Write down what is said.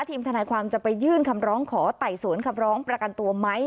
ทีมทนายความจะไปยื่นคำร้องขอไต่สวนคำร้องประกันตัวไหม